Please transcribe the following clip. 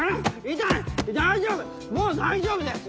もう大丈夫です！